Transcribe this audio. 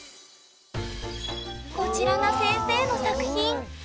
こちらが先生の作品。